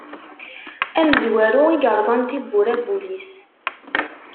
Amezwaru i yerẓan tiwwura n wul-is.